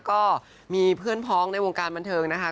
ก็มีเพื่อนพ้องในวงการบันเทิงนะคะ